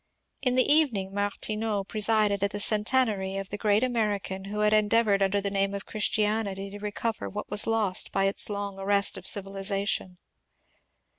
In the evening Martineau presided at the centenary of the great American who had endeavoured under the name of Christianity to recover what was lost by its long arrest of civilization.